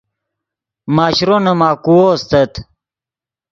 ماشرو نے ماکوؤ استت